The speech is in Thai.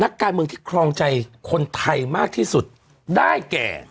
นักการเมืองที่ครองใจคนไทยมากที่สุดได้แก่